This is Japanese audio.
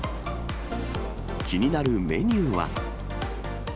気になるメニューは。